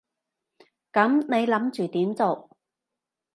噉你諗住點做？